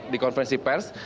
di konvensi pers